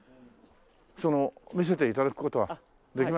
その見せて頂く事はできますか？